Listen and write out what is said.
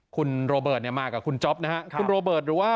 คุณโรเบิร์ตเนี่ยมากับคุณจ๊อปนะฮะคุณโรเบิร์ตหรือว่า